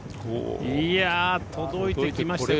いやー、届いてきました。